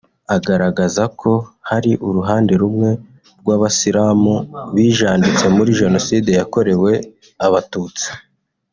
agaragaza ko hari uruhande rumwe rw’abasilamu bijanditse muri jenoside yakorewe Abatutsi